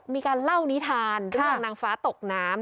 มีการเล่านิทานเรื่องนางฟ้าตกน้ำ